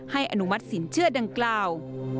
อนุมัติสินเชื่อดังกล่าว